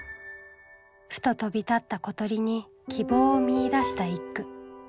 ふと飛び立った小鳥に希望を見いだした一句。